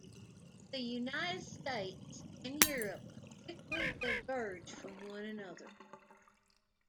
The United States and Europe quickly diverged from one another.